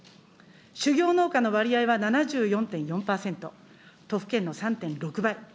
種苗農家の割合は７４．４％、都府県の３．６倍。